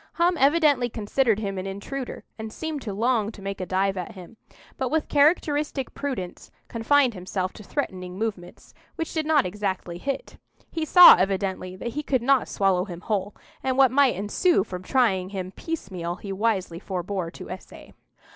Hum evidently considered him an intruder, and seemed to long to make a dive at him; but, with characteristic prudence, confined himself to threatening movements, which did not exactly hit. He saw evidently that he could not swallow him whole, and what might ensue from trying him piecemeal he wisely forbore to essay.